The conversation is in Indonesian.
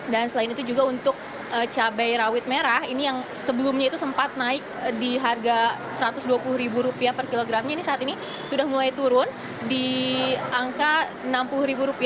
dan selain itu juga untuk cabai rawit merah ini yang sebelumnya itu sempat naik di harga rp satu ratus dua puluh per kilogramnya ini saat ini sudah mulai turun di angka rp enam puluh